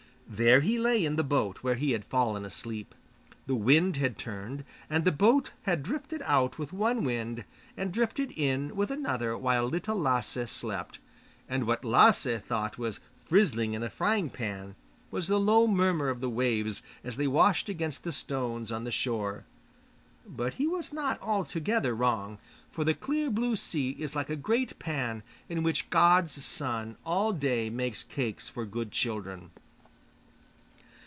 There he lay in the boat, where he had fallen asleep. The wind had turned, and the boat had drifted out with one wind and drifted in with another while Little Lasse slept, and what Lasse thought was frizzling in a frying pan was the low murmur of the waves as they washed against the stones on the shore. But he was not altogether wrong, for the clear blue sea is like a great pan in which God's sun all day makes cakes for good children.